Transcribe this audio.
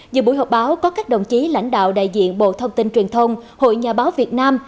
dự buổi họp báo có các đồng chí lãnh đạo đại diện bộ thông tin truyền thông hội nhà báo việt nam